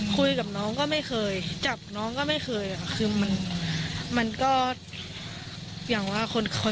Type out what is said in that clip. คุยกับน้องก็ไม่เคยจับน้องก็ไม่เคยค่ะคือมันมันก็อย่างว่าคนคอย